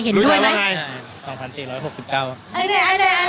เห็นด้วยไหม